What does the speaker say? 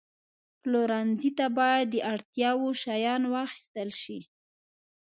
پلورنځي ته باید د اړتیا وړ شیان واخیستل شي.